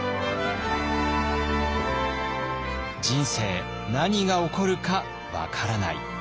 人生何が起こるか分からない。